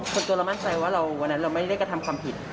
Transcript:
ส่วนตัวเรามั่นใจว่าวันนั้นเราไม่ได้กระทำความผิด